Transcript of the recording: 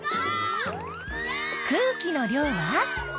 空気の量は？